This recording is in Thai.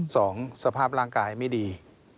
สภาพร่างกายไม่ดี